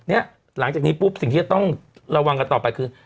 หลังจากนี้ปุ๊บสิ่งที่จะต้องระวังกันต่อไปคือ